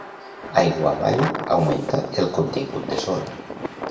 Aigua avall, augmenta el contingut de sorra.